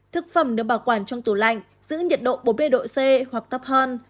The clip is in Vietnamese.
thực phẩm được bảo quản trong tủ lạnh giữ nhiệt độ bốn mươi độ c hoặc tấp hơn